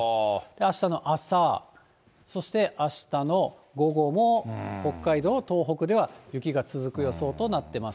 あしたの朝、そしてあしたの午後も北海道、東北では雪が続く予想となってます。